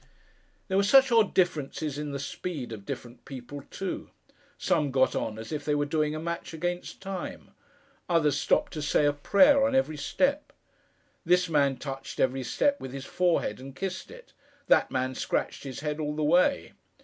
There were such odd differences in the speed of different people, too. Some got on as if they were doing a match against time; others stopped to say a prayer on every step. This man touched every stair with his forehead, and kissed it; that man scratched his head all the way.